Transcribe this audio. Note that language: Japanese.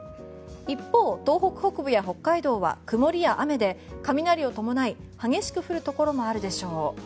一方、東北北部や北海道は曇りや雨で雷を伴い激しく降るところもあるでしょう。